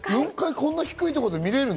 こんな低いところで見られるの？